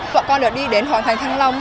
võ con được đi đến hoàng thành thăng long